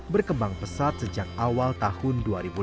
berkembang pesat sejak awal tahun dua ribu lima